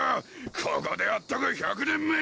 ここで会ったが１００年目！